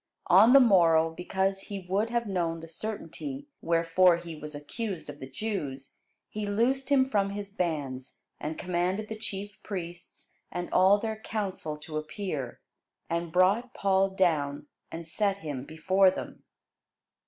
On the morrow, because he would have known the certainty wherefore he was accused of the Jews, he loosed him from his bands, and commanded the chief priests and all their council to appear, and brought Paul down, and set him before them.